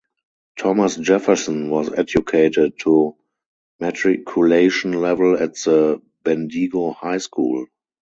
Thomas Jefferson was educated to matriculation level at the Bendigo High School.